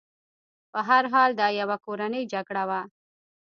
په هر حال دا یوه کورنۍ جګړه وه.